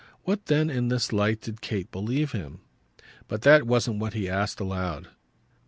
What then in this light did Kate believe him? But that wasn't what he asked aloud.